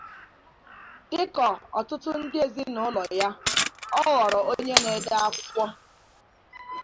Dị ka ọtụtụ ndị ezinụlọ ya, ọ ghọrọ onye na-ede akwụkwọ.